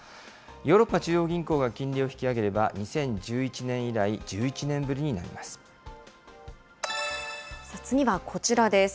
ヨーロッパ中央銀行が金利を引き上げれば、２０１１年以来、１１次はこちらです。